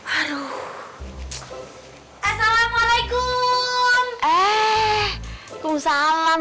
assalamualaikum eh kum salam